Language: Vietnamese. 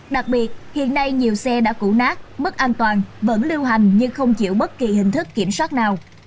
đặc biệt hiện nay nhiều xe đã củ nát mất an toàn vẫn lưu hành nhưng không chịu bất kỳ hình thức kiểm soát nào